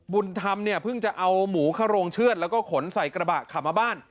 บุญธรรมเนี่ยเพิ่งจะเอาหมูเข้าโรงเชือดแล้วก็ขนใส่กระบะขับมาบ้าน